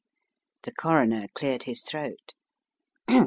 The Coroner cleared his throat.